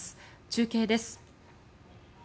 中継です。